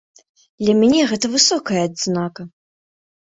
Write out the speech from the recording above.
Для мяне гэта высокая адзнака.